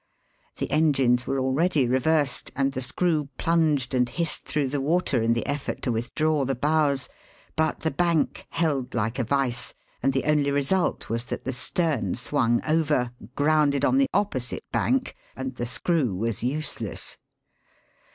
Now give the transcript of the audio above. The engines were already reversed, and the screw plunged and hissed through the water in the effort to withdraw the bows ; but the bank held like a vice, and the only result was that the stern swung over, grounded on the opposite bank, and the screw was useless.